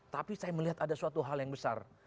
tapi saya melihat ada suatu hal yang besar